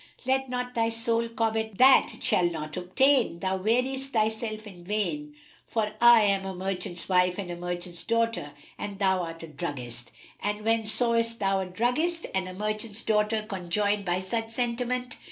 Let not thy soul covet that it shall not obtain. Thou weariest thyself in vain; for I am a merchant's wife and a merchant's daughter and thou art a druggist; and when sawest thou a druggist and a merchant's daughter conjoined by such sentiment?"